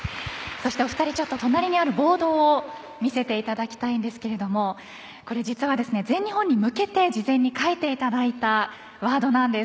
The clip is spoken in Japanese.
お二人、隣にあるボード見せていただきたいですが実は、全日本に向けて事前に書いていただいたワードなんです。